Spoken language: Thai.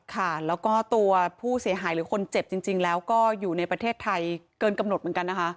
ค่ะแล้วก็ตัวผู้เสียหายหรือคนเจ็บจริงแล้วก็อยู่ในประเทศไทยเกินกำหนดเหมือนกันนะคะ